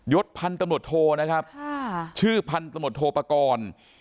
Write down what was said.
ศพันธุ์ตำรวจโทนะครับชื่อพันตำรวจโทปกรณ์